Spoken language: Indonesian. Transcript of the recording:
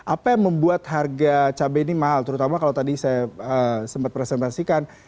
apa yang membuat harga cabai ini mahal terutama kalau tadi saya sempat presentasikan